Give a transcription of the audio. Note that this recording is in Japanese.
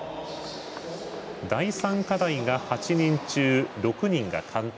第３課題が８人中６人が完登。